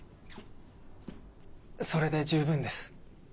それで十分です。